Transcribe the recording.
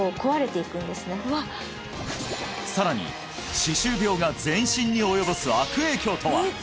さらに歯周病が全身に及ぼす悪影響とは！？